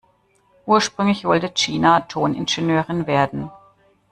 Ursprünglich wollte Gina Toningenieurin werden.